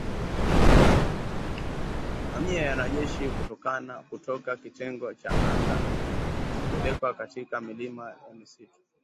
Mamia ya wanajeshi kutoka kitengo cha anga wamepelekwa katika milima ya msituni